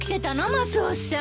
マスオさん。